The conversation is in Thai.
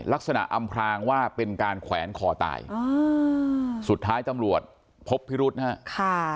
ลักษณะอำพลางว่าเป็นการแขวนคอตายสุดท้ายตำรวจพบพี่รุฑนะ